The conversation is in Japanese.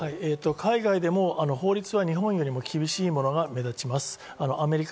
海外でも法律は日本よりも厳しいものが目立ちます。